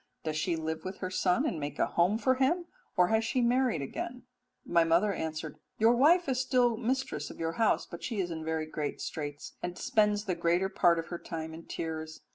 Does she live with her son and make a home for him, or has she married again?' "My mother answered, 'Your wife is still mistress of your house, but she is in very great straits and spends the greater part of her time in tears.